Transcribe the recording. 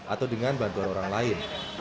atau dengan bantuan orang lain